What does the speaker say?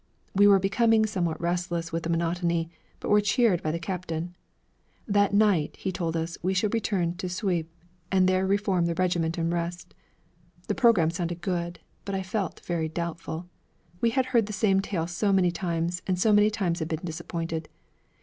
We were becoming somewhat restless with the monotony, but were cheered by the captain. That night, he told us, we should return to Suippes, and there reform the regiment and rest. The programme sounded good, but I felt very doubtful, we had heard the same tale so many times and so many times we had been disappointed.